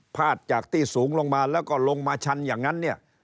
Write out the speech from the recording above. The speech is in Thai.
พาดจากที่สูงลงมาแล้วก็ลงมาชันอย่างนั้นเนี่ย